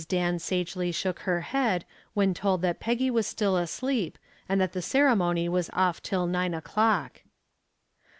Dan sagely shook her head when told that Peggy was still asleep and that the ceremony was off till nine o'clock.